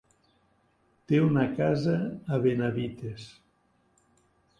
Té una casa a Benavites.